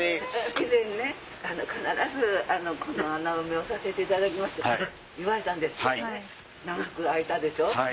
以前ね「必ずこの穴埋めをさせていただきます」って言われたんですけどね長く空いたでしょ。